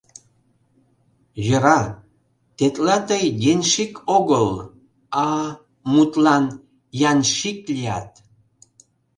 Йӧра, тетла тый «денщик» огыл, а, мутлан, Янщик лият.